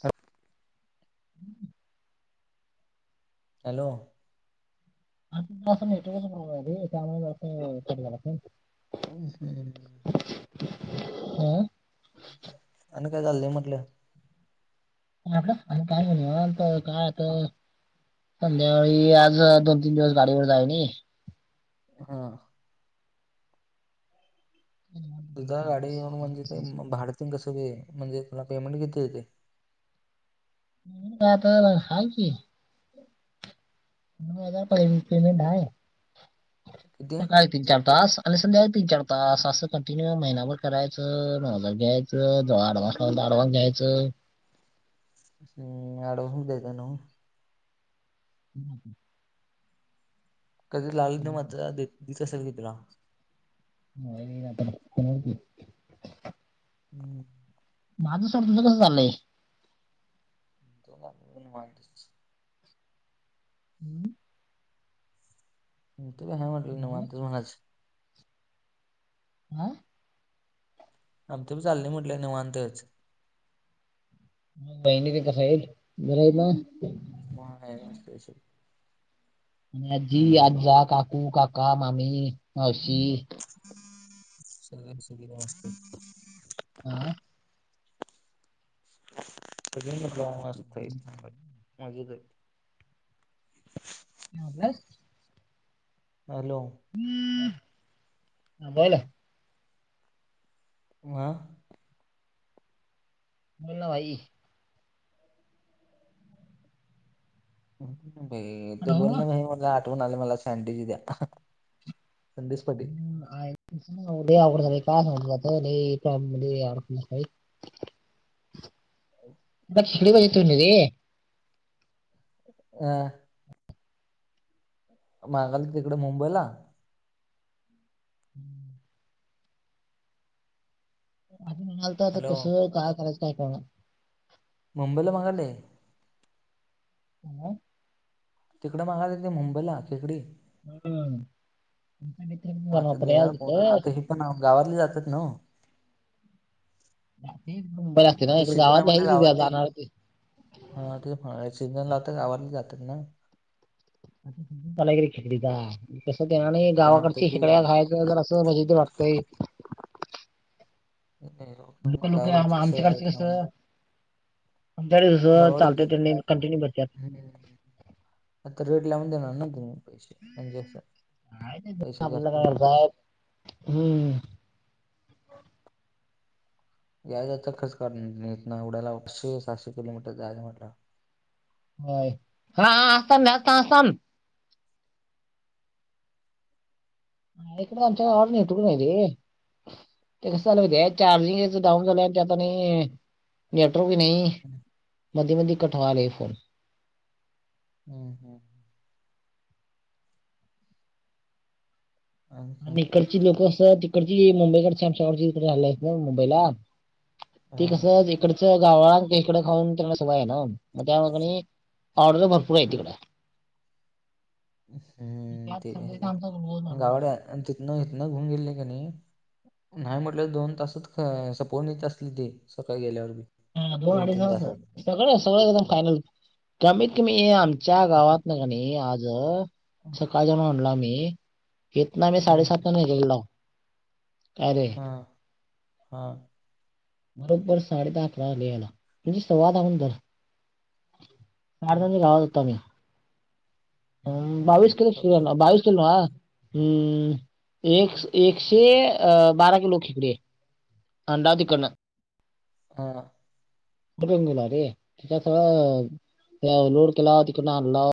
ह [unintelligible] हॅलो आट त्यामुळेले ते जरासं. [unintelligible] हं. आणि काय चाललंय म्हटलं. आपड आणि काय मग निवांत हाय, काय आता. संध्याकाळी आज दोन तीन दिवस गाडीवर जाय नई. हा. तुझ गाडी येऊन म्हणजे ते भाडतीन कसं ते? म्हणजे तुला पेमेंट किती येते? मी काय आता हाव कि. जार पेमेंट आहे, किती सकाळी तीन चार तास. आणि सध्याकाळी तीन चार तास असं कंटिन्यू महिनाभर करायचं नऊ हजार घ्यायचं ज आड वार. परत अँडव्हान्स घ्यायचं. हम्म अँडव्हान्स देताय नव्ह. हम्म हम्म. कधी लाव नाही माझा दिच असेल की तुला. म आपण कमवतोय. हम्म. माझं सोड, तुझं कस चाललंय? तो काय आपलं निवांतच हम्म. तु हा म्हटलं ना होय. निवांतच म्हणायच. नाय? आमच बी चाललंय म्हटलं निवांतच. बहिणी ते कसं आहे घर आहे बघ. महागाई बी असती अशी. आज्जी आज्जा, काकू काका, मामी मावशी सगळ्याच सुविधा असतेत. हा. [unintelligible] मजेत हाईत. ह्यो अभ्यास हॅलो. बोल. मोये बोल ना भाई. भाई त हॅलो बोल ना मला आठवून आलं मला सँडविच द्या. संदेश पाटील हम्म, तसं नव्ह रे अवघड झालंय कसं काय. हो नाही काम म्हने आल दक्षिणेकडे तोंड रे अ. मागाली तिकडे मुंबईला? हम्म. अजून म्हणालतो आता हॅलो कसं काय करायचं काय कळना. मंबईला मागाले. मग? तिकडे मागाय लागली मुंबईला शेकडी. हम्म. [unintelligible] मता रे देणार आज कोण? इकडं. आता हे पण गावातले जातेत नव्ह. मुंबई लागते ना इकडे सीजन गावात आहे म्हटलं नाही गावातले जाणार ती हा ते सिजन लावता आववरले जातात ना. आलारी खेली तस आणि त्यामुळे आता गावाकडची ते हिकडं एक हाय. असं जरासं मजेत वाटतंय. नाही लोक तुम्ही लोक गावाकडचे सर आमच्याकडचे भेटले कसं आम्हाला. आमच्याकडे कसं गावाकडे केले चालतंय त्यांनी होते, कंटिन्यू भेटतात हम्म. आता रेट लावून देणार ना तुम्ही पैसे आणि जास्त काय ते पैसे आपल्याला जास्त काय येणार. करतात हम्म. याय जायचं खर्च काडून एवड्याला आठसे सहाशे किलोमीटर जायचं म्हटल्याव. नाय. हा हा आसल जास्त आसल. इकड आमच्या गावाला नेतू का नाही रे. ते कसं झालं माहित आहे काय? चार्जिंग याच डाऊन झाल आता नेटवर्क नाही. हाना. मधी मधी कट व्हालय फोन. अं हम्म. आणि ईकडची लोकं असं तिकडची मुंबईकडची आमच्या गावाकडची तिकडे राहायला आहेतना मुंबईला ते हा कसं इकडच गावा इकडं खाऊन, त्यांना सवय आहे ना मग त्यामुळे का नई. ऑर्डर भरपूर आहे तिकड. हम्म त्यात ते समजायचा आमचा रोज माणूस गावड आणि तिथन इथनं घेऊन गेले का नाही. नाही म्हटलं दोन तासात काय सपवून येत असल ते सकाळी गेल्यावर बी. हां दोन अडीच तीन झालं असल. तासात सगळं सगळं एकदम फायनल, कमीत कमी आमच्या गावात म्ह आणि आज सकाळ जण आम्ही हितना आम्ही हम्म, साडेसात गेलेलो नाव. हा हा. बरोबर साडेेदहा अकरा वाजले यायला, तरी सवादहा धर. चार जने गावत मग होतो आम्ही बावीस किलो सुरू एवढं झाला, काय. बावीस किलो एकशे अ बारा किलो खेकडे आहे. आणला तिकडनं. हा. कुठून गेला रे? त्याच्यात लोड केला, तिकडून आणला.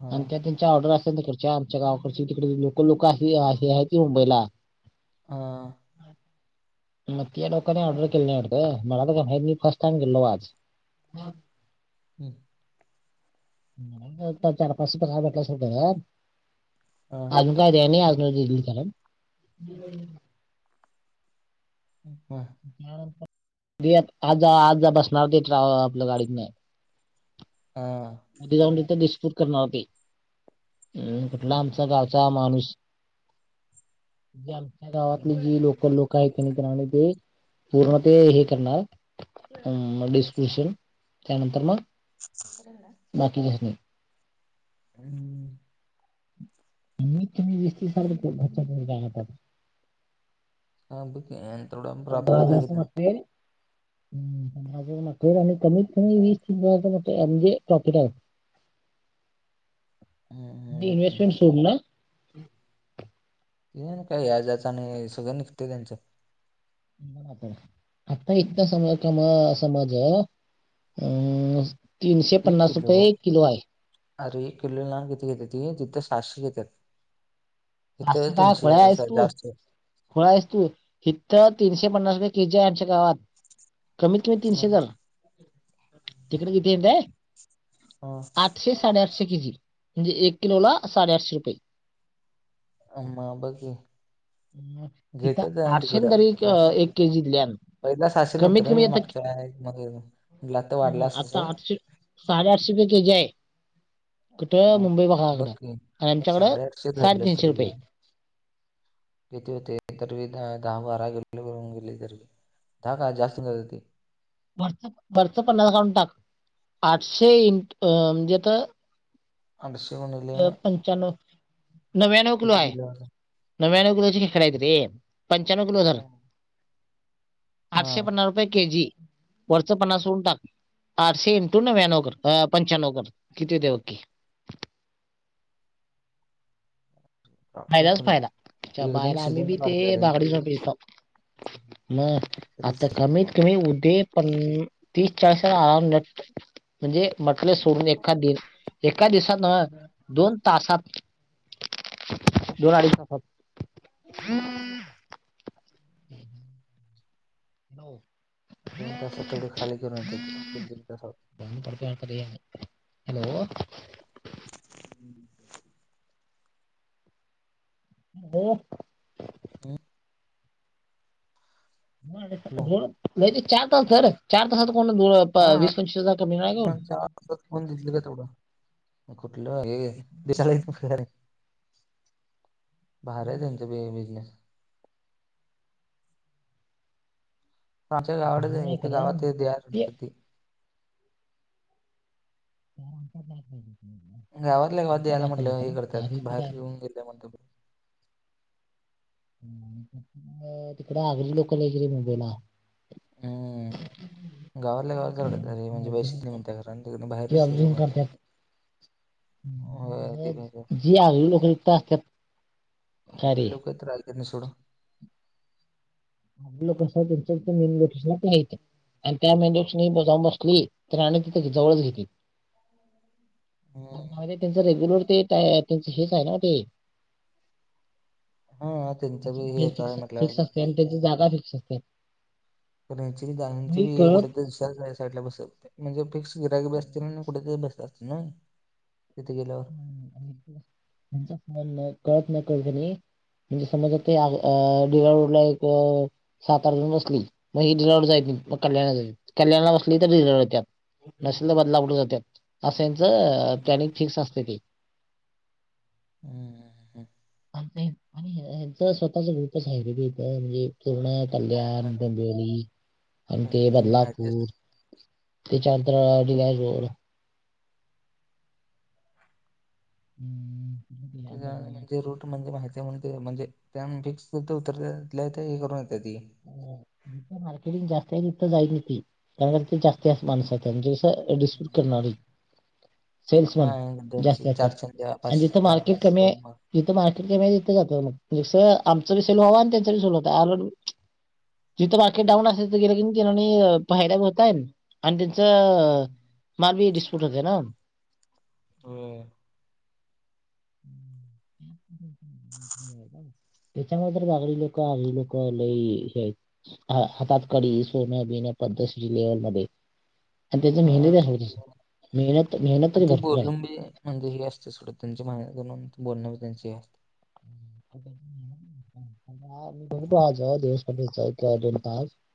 हा आणि त्या त्यांच्या ऑर्डर असल्या तीकडच्या आमच्या गावाकडचे तिकडे लोकल लोक हे आहेत ती मुंबईला. आं. मग त्या लोक्यानी ऑर्डर केले नाही वाटत, मला काहि नाही माहित मी फर्स्ट टाइम गेलेलो आज. मग. हम्म. [unintelligible] हा अजून काय द्याय न्हाय, आज ना उद्या दिल परत. हा. त्यानर ते आज आजा बसणार ट्रॅव आपल्या गाडीत नी. हा. उद्या जाऊन तिथं डिस्तुब करणार होते. हम्म, कुठला आमचा गावचा माणूस त्यात. या गावातली जी लोकल लोक आहेत ना [unintelligible] ते ते पूर्ण ते हे करणार. हम्म, मग डिस्क्रिपशन त्यानंतर मग. कस गेलास? बाकीच्यासनी. हम मी तुम्ही दिसती सार घरच्यात हे पाहितात. चालत कि तेव्हड प्रॉफिट बी आहे का? बाहेर आल्यावर कमीत कमी वीस तीन म्हणजे प्रॉफिट आहे. [inaudible] हम्म देते इन्व्हेस्टमेंट सोडून ना? ते ना काय याजाचा नाही सगळं निघतेय त्यांचं. [inaudible] आता इतका समा कमा समज हे अम्म तीनशे एक पन्नास रुपये किलो एक किलो आहे. अरे एक किलो ला किती घेत्यात, तिथं सहाशे घेत्यात. इथे आहे तीनशे साडे आठशे. फोळा आहेस तू इथं तीनशे पन्नास रुपये के जी आहे आणच्या गावात. कमीत कमी तीनशे मग जण तिकडे किती येतय? हां. आठशे साडेआठशे के जी म्हणजे एक किलोला साडेआठशे रुपये. आह म बघ की. मग घेतात तिथं आणि आठशेन दरी क्य अ एक के जी दिलेयान. पहिल्या सातशे नव्हत रे मी मागच्या [unintelligible] म्हटलं आता वाढला असेल सर. साडे आठशे रुपये के जी आहे. कुठं मग मुंबई बघ भागाकड आणि, की आमच्याकडं साडेआठशे धरलेस साडेतीनशे रुपयेत. येतो येतोय तर विधा गाव बारा गेलो. [unintelligible] ताका जास्ती नव्हती. वरच वरच पन्नास काढून टाक, आठशे इट म्हणजे आता. [unintelligible] चानो नव्याण्णव किलो किती आहे, होतं? नव्याण्णव किलो ची [unintelligible] रे पंच्याण्णव किलो धर. [inaudible] आठशे पन्नास रुपये के जी. वरच पन्नास सोडून टाक, आठशे इनटू नव्याण्णव कर पंच्याण्णव कर किती होते बकी. प्राप्त फायदाच फुल आहे फायदा च्या एकदम बायला आम्ही शिजवून बी ते काढते रे बागडीचा. [unintelligible] म कधीच आता की कमीत तुम्ही उद्ये पन तीस चाळीस आराम नट म्हणजे म्हटले सोडून एखादिन एका दिवसांनं दोन तासात दोन अडीच तासात. सगळयाने नोकं आहे. नो दोन तासात तेवढी खाली करून येते ती दोन-तीन तासा कोणीतरी [unintelligible] हॅलो. [unintelligible] हो. हम्म. [unintelligible] हॅलो नाही ते चार तास [unintelligible] चार तासात कोण धुळ हाव ना [unintelligible] चार फोन घेतली का तेवढं. म कुठलं हे. [unintelligible] बाहेर आहे त्यांचा बी बिझनेस. आमच्या गावाडच आहे नाही ते कारण गावात ते [unintelligible] ती तर आमच्या. [inaudible] गावातल्या गावात द्यायला नाकात म्हटलं होतं ना हे, करतात भारी ते काय बाहेर येेऊन [unintelligible] [inaudible] तिकडे आगरी लोकल आहे की रे मुंबईला. हम्म. गावातल्या गावातचा रडत ते, म्हणजे बशी अर्जुन नाही कर- म्हणते बाहेर ते ऑब्झर्व नाहीपर्यंत. करतात ते पण आहे. जी आगळी लोकं असतात. काय अगरी रे लोकं तर राहेत ते नी सोडं. कसं त्यांच मेन लोकेशनला ते हाय त. आणि त्या मेंढ्या जाऊन बसली, तर आणि तिच्या जवळच घेतील. हम् [inaudible] आणि भारी त्यांचं रेगुलर ते त्या त्यांच हेच आहे ना ते. [inaudible] हा त्यांचं बी हे आता फिक्स म्हटलं असते आणि त्याची जागा फिक्स असते. पुण्याची गाऊनची मी ये कळत उडते सर या साईडला बसवते. म्हणजे फिक्स गिरायक बी असतील न, आणि कुठेतरी बसतील न तिथे गेल्यावर त्यांचा फोन न कळत न कळते [unintelligible] म्हणजे समज ते [unintelligible] सात आठ जण बसली मग ही [unintelligible] नाही मग कल्याण जाईल. कल्याणला बसली तर रिझर्व होत्याय. नशिल तर बदलाय कुठं जात्यात असेनचं प्लॅनिंग फिक्स असते ते. हम्म. आमच हेचं स्वतःच रूपच आहे र म्हणजे [unintelligible] कल्याण डोंबिवली आणि ते काहीतरी माहिती असते बदलापूर. ते चांतरा [unintelligible] रोड. हम्म [inaudible] तुझा म्हणजे रूट म्हणजे माहित ते म्हंटले ते म्हणजे त्या फिक्स उत्तर दिले हे करून येतं ती. मार्केटिंग जास्त आहे तिथं जाईत होती. [unintelligible] जास्त त्याच माणसात हम्म. [unintelligible] हा सेल्समॅन एक दोनशे जास्ती असत्यात..... चारशे द्या आणि पाचशे जिथे द्या मार्केट कमी आहे मग जिथे मार्केट कमी आहे तिथे जात मग जसं आमचा बी सेल होवा आणि तत्यांचा बी सेल होतोय जिथं बाकी डाऊन असेल, तीथ गेलो की.. पाहायला बी होताय.. त अ मामी बी सुटते ना - हो. [unintelligible] [unintelligible] ह [inaudible] त्याच्यामुळे तर लागलो, [unintelligible] लोक आगरी लोक लई हे ह हातात कडी सोन बिन पद्ध [unintelligible] आणि त्याच हा मेहनत आहेस, ते- मेहनत मेहनत आणि तरी ती भरपूर आहे. बोलून बी म्हणजे हे असते सोडं त्यांच्या मतून बोलण त्यांचे हे असते बघतो, [unintelligible] दीड तास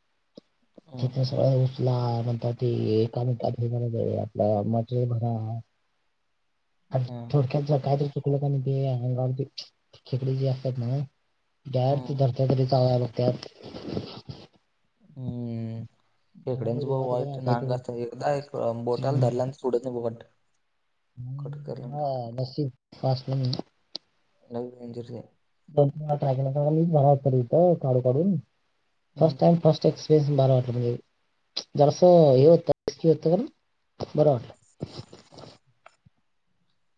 हा ठीक. [unintelligible] उचला म्हण ती एका मिनटात [unintelligible] आपला मटेरियल भरा. आ हा थोडक्यात जे काहीतरी चुकलं ते अंगावर खेकडी जे असतात ना हा त्यात धरत्या कधी तरी चालायला बघ त्यात हम्म. मला खेकड्याच बा देवा ते काय वाईट काय नांग केलं असतात, एकदा एका बोटाला धरल्यान सोडच नाही ब बोट कट करून हा टाकतं नसीब [unintelligible] [unintelligible] दोनॅ मी झाला होत इथं काडू काढून हम्म फर्स्ट टाईम फर्स्ट [unintelligible] एक्स्पर्ट [unintelligible] वाटलं म्हजे जरासं हे होत की, होतं बरं वाटलं.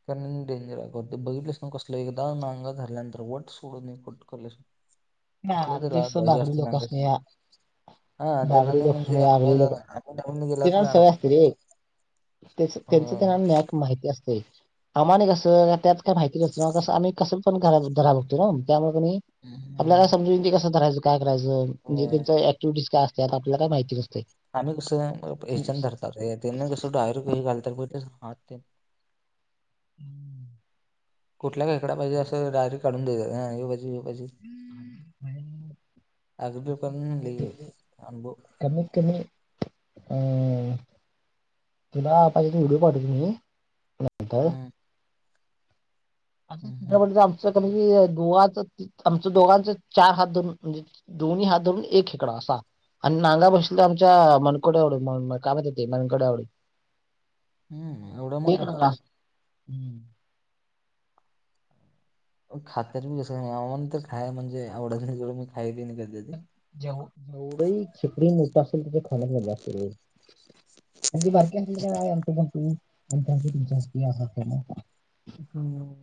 कारण डेंजर आहेत बघितलेस नव्ह कसलं, एकदा नागा धरल्यान वट सोडून कट [inaudible] नाही कसलं तरी राहत आमचे बागडी जास्त हे लोक नांगरणी, असणे हा त्याला बागडी ना लोक म्हणजे असणे अनुवा आगडी लोक ते काय सवय असते रे त्याच त्यांचं त्यांना ह [unintelligible] नॅक माहिती असते. आम्हाने कसं त्यात काय माहिती नसतय, कसं आम्ही कसं पण घरा धराल त्यामुळे की नाय आपल्याला हम्म. समून येतय की काय करायच कसं करयच... म्हणजे होय. तीच ऍक्ट.. दिस्क असत्यात आपल्याला काय माहिती नसते. आम्ही कसं हेच्यान धरतात त्या नी कस डायरेक्ट घालतात काही घालत ते हात हम्म [inaudible] कुठला खेकडा पाहिजे डायरेक्ट काढुन द्याचा ह्यो पाहिजे ह्यो पाजे ह्यो पाजे अगदी लोकांना लई हे अनुभव [inaudible] कमी कमी अ तुला आता एक व्हिडिओ बघ नंन्तर [unintelligible] हम्म. असं हं, हं, चित्रपटात आमचं कमी आमचं दोघांच चार हात धरून दोन म्हणजे [unintelligible] दोन्ही हात धरून एक खेकडा असा आणि नागा बसल तर आमच्या मनकोड्या एवड कामात येते मनकोड्या एवड ह [inaudible] [unintelligible] हम्म. खातर मी तस [unintelligible] म्हणजे आवडत नाही. खाया [unintelligible] जेव जेवढही खेकडे मोठ असेल त्याच्या खाण मोठं म्हणजे बारकी [unintelligible] हम्म.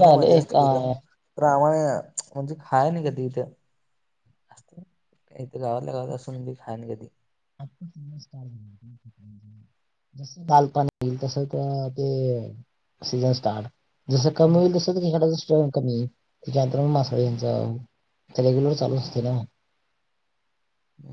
झालं एक अ प्रामाणे म्हणजे खाया नाही ग इथं. इथे गावातल्या गावात असून बी खान कधी [unintelligible] मजत [inaudible] जस बालपण येईल तस ते सीजन स्टार्ट जसं कमी होईल तस खेकड्याच स्टोर कमी नंन्तर म मासाळ यांचा आता रेग्युलर चालू असते ना. हं.